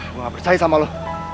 gue gak percaya sama lo